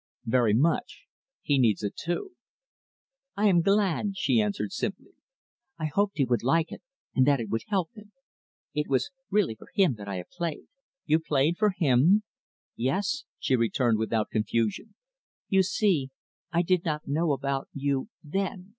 "Very much. He needs it too." "I am glad," she answered simply. "I hoped he would like it, and that it would help him. It was really for him that I have played." "You played for him?" "Yes," she returned without confusion. "You see, I did not know about you then.